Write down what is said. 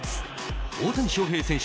大谷翔平選手。